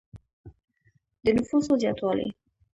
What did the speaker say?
د نفوسو زیاتوالی.